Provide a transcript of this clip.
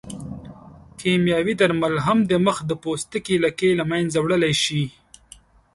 کیمیاوي درمل هم د مخ د پوستکي لکې له منځه وړلی شي.